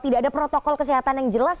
tidak ada protokol kesehatan yang jelas